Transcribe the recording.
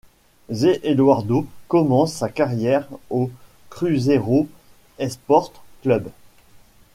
Zé Eduardo commence sa carrière au Cruzeiro Esporte Clube.